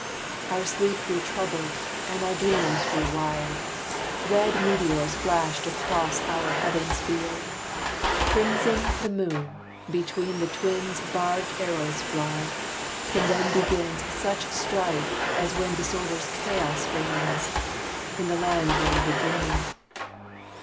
Our sleep grew troubled and our dreams grew wild Red meteors flashed across our heaven's field; Crimson the moon; between the Twins Barbed arrows fly, and then begins Such strife as when disorder's Chaos reigns, In the land where we were dreaming.